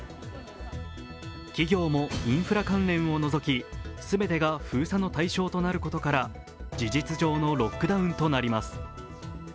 企業もインフラ関連を除き全てが封鎖の対象となることから事実上のロックダウンとなります。